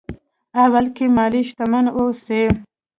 اول کې مالي شتمن واوسي.